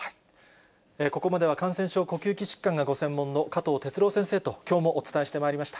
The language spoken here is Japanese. ここまでは感染症、呼吸器疾患がご専門の加藤哲朗先生ときょうもお伝えしてまいりました。